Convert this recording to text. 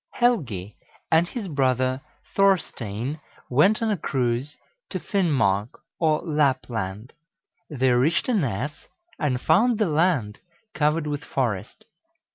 Helgi and his brother Thorstein went on a cruise to Finnmark, or Lapland. They reached a ness, and found the land covered with forest.